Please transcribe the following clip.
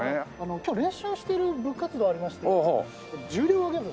今日練習している部活動ありまして重量挙げ部。